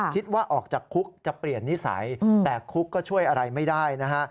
คิดว่าออกจากคุกจะเปลี่ยนนิสัยแต่คุกก็ช่วยอะไรไม่ได้นะฮะ